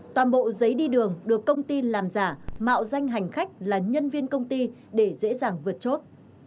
toàn bộ giấy đi đường được công ty làm giả mạo danh hành khách là nhân viên công ty để dễ dàng vượt chốt